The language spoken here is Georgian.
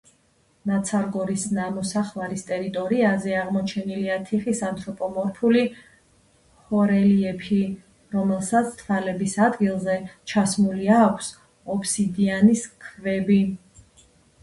ნაცარგორის ნამოსახლარის ტერიტორიაზე აღმოჩენილია თიხის ანთროპომორფული ჰორელიეფი, რომელსაც თვალების ადგილზე ჩასმული აქვს ოფსიდიანის ქვები.